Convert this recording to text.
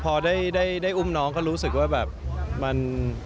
พอได้อุ้มน้องก็รู้สึกว่าแบบมัน